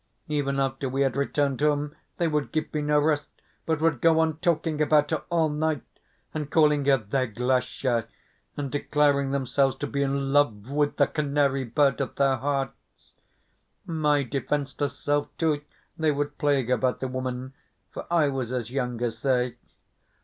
Even after we had returned home they would give me no rest, but would go on talking about her all night, and calling her their Glasha, and declaring themselves to be in love with "the canary bird of their hearts." My defenseless self, too, they would plague about the woman, for I was as young as they.